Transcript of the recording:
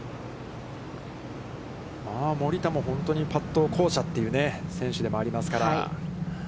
森田も本当に、パット巧者という選手でもありますから。